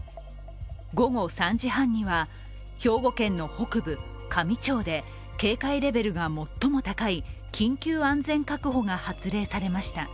午後３時半には、兵庫県の北部香美町で警戒レベルが最も高い緊急安全確保が発令されました。